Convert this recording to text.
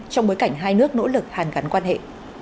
trong bối cảnh hai nước nỗ lực hàn gắn quan hệ